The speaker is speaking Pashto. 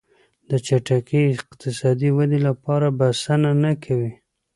د چټکې اقتصادي ودې لپاره بسنه نه کوي.